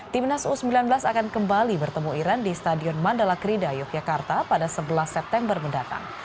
timnas u sembilan belas akan kembali bertemu iran di stadion mandala krida yogyakarta pada sebelas september mendatang